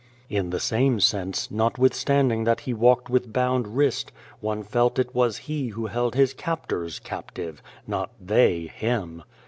In the same sense, notwithstanding that He walked with bound wrist, one felt it was He who held His captors captive ; not they, Him.